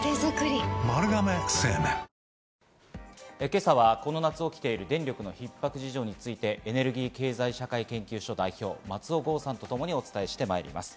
今朝はこの夏起きている電力のひっ迫事情についてエネルギー経済社会研究所代表・松尾豪さんとともにお伝えしてまいります。